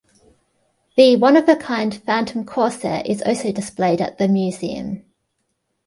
The one-of-a-kind Phantom Corsair is also displayed at the museum.